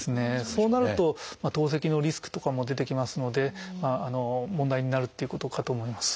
そうなると透析のリスクとかも出てきますので問題になるっていうことかと思います。